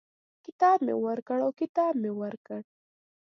کتاب مي ورکړ او کتاب مې ورکړ.